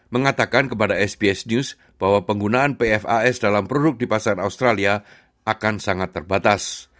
mengatakan kepada sbs news bahwa penggunaan pfas dalam produk di pasar australia akan sangat terbatas